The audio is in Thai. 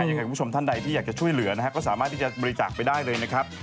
ยังไงคุณผู้ชมท่านใดที่อยากจะช่วยเหลือนะฮะก็สามารถที่จะบริจาคไปได้เลยนะครับ